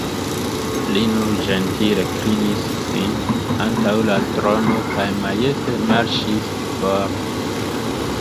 Li nur ĝentile klinis sin antaŭ la trono kaj majeste marŝis for.